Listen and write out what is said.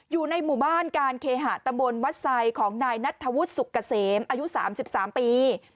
อยู่ในหมู่บ้านการเคหะตำบลวัดไซดของนายนัทธวุฒิสุกเกษมอายุ๓๓ปี